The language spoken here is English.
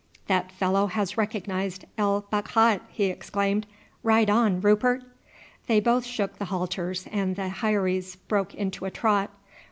"That fellow has recognized El Bakhat!" he exclaimed; "ride on, Rupert!" They both shook the halters and the heiries broke into a trot.